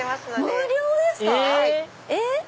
無料ですか⁉え